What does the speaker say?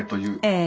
ええ。